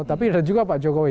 tapi ada juga pak jokowi